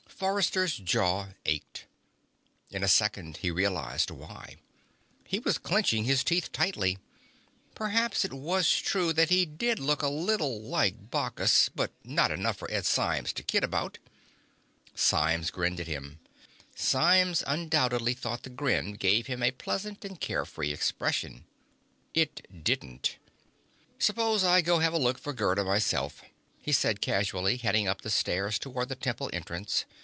Forrester's jaw ached. In a second he realized why; he was clenching his teeth tightly. Perhaps it was true that he did look a little like Bacchus, but not enough for Ed Symes to kid about it. Symes grinned at him. Symes undoubtedly thought the grin gave him a pleasant and carefree expression. It didn't. "Suppose I go have a look for Gerda myself," he said casually, heading up the stairs toward the temple entrance.